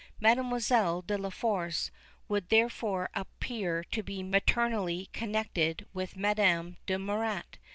Mademoiselle de la Force would therefore appear to be maternally connected with Madame de Murat.